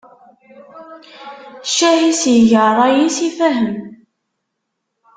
Ccah, i s-iga rray-is i Fahem.